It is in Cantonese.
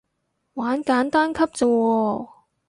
玩簡單級咋喎